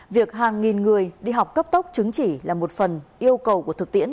việc hàng nghìn người đi học cấp tốc chứng chỉ là một phần yêu cầu của thực tiễn